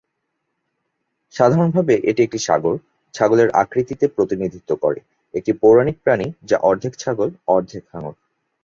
সাধারণভাবে এটি একটি সাগর-ছাগলের আকৃতিতে প্রতিনিধিত্ব করে: একটি পৌরাণিক প্রাণী যা অর্ধেক ছাগল, অর্ধেক হাঙ্গর।